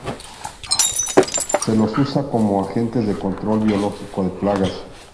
Se los usa como agentes de control biológico de plagas.